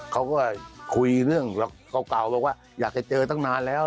เขาก็คุยเรื่องเก่าอยากให้เจอตั้งนานแล้ว